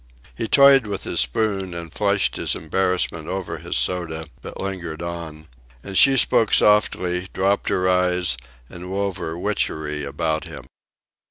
He toyed with his spoon, and flushed his embarrassment over his soda, but lingered on; and she spoke softly, dropped her eyes, and wove her witchery about him.